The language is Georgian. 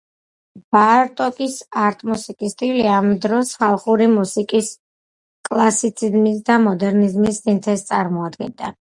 ბარტოკის არტ-მუსიკის სტილი ამ დროს ხალხური მუსიკის, კლასიციზმის და მოდერნიზმის სინთეზს წარმოადგენდა.